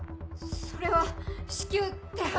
それは至急手配。